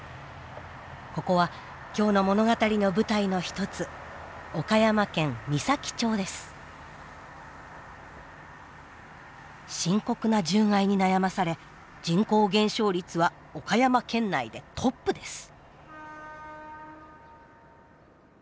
ここは今日の物語の舞台の一つ深刻な獣害に悩まされ人口減少率は岡山県内でトップです。